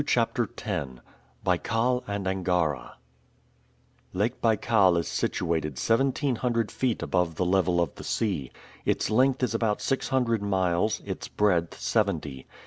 CHAPTER X BAIKAL AND ANGARA LAKE BAIKAL is situated seventeen hundred feet above the level of the sea. Its length is about six hundred miles, its breadth seventy.